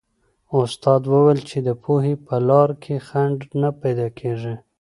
استاد وویل چې د پوهې په لار کې خنډ نه پیدا کېږي.